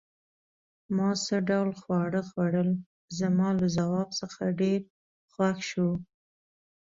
ما څه ډول خواړه خوړل؟ زما له ځواب څخه ډېر خوښ شو.